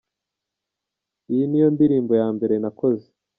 Iyi ni yo ndirimbo ya mbere nakoze.